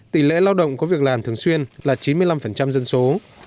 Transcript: tỷ lệ lao động có việc làm thường xuyên là chín mươi năm dân số